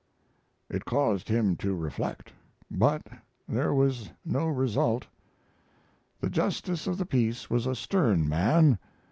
It caused him to reflect. But there was no result. The justice of the peace was a stern man.